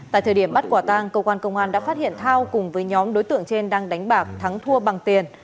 tại thời điểm bắt quả tang cơ quan công an đã phát hiện thao cùng với nhóm đối tượng trên đang đánh bạc thắng thua bằng tiền